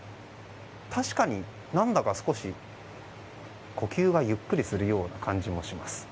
確かに、何だか少し呼吸がゆっくりするような感じもします。